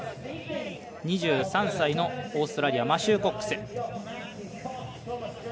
２３歳のオーストラリアマシュー・コックス。